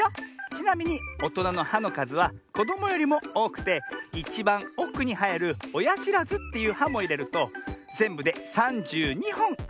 ちなみにおとなの「は」のかずはこどもよりもおおくていちばんおくにはえる「おやしらず」っていう「は」もいれるとぜんぶで３２ほんあるんだね。